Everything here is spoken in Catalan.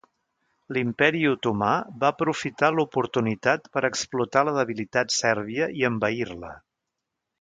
L'Imperi Otomà va aprofitar l'oportunitat per explotar la debilitat sèrbia i envair-la.